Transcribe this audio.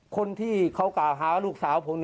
คนที่เขากำหนดหาลูกสาวผม